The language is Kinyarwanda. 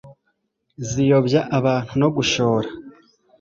ziyobya abantu no gushora